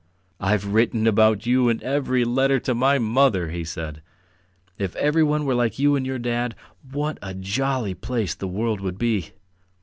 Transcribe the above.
"I've written about you in every letter to my mother," he said. "If everyone were like you and your dad, what a jolly place the world would be!